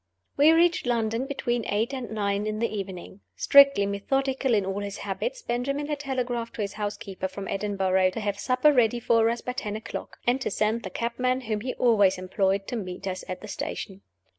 WE reached London between eight and nine in the evening. Strictly methodical in all his habits, Benjamin had telegraphed to his housekeeper, from Edinburgh, to have supper ready or us by ten o'clock, and to send the cabman whom he always employed to meet us at the station.